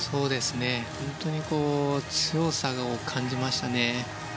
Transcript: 本当に強さを感じましたね。